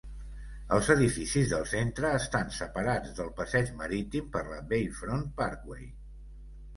Els edificis del centre estan separats del passeig marítim per la Bayfront Parkway.